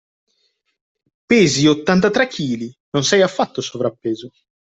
Pesi ottantatre chili, non sei affatto sovrappeso.